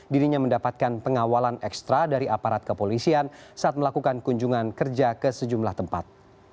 dirinya mendapatkan pengawalan ekstra dari aparat kepolisian saat melakukan kunjungan kerja ke sejumlah tempat